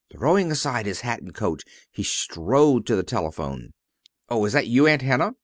Throwing aside his hat and coat, he strode to the telephone. "Oh, is that you, Aunt Hannah?"